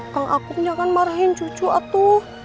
kang akum jangan marahin cucu atuh